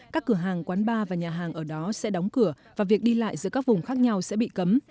các cửa hàng quán bar và nhà hàng ở đó sẽ đóng cửa và việc đi lại giữa các vùng khác nhau sẽ bị cấm